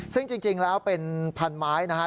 ซึ่งจริงแล้วเป็นพันไม้นะฮะ